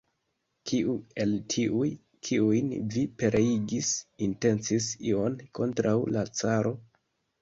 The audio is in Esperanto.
Kiu el tiuj, kiujn vi pereigis, intencis ion kontraŭ la caro?